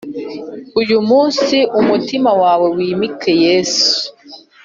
Uyu munsi umutima wawe wimeke Yesu